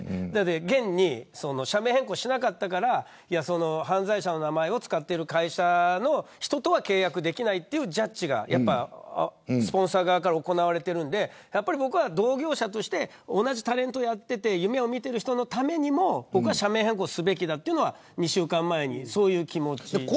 現に社名変更しなかったから犯罪者の名前を使っている会社の人とは契約できないというジャッジがスポンサー側から行われているんで同業者として同じタレントをやっていて夢を見ている人のためにも僕は社名変更すべきだと２週間前にそういう気持ちでした。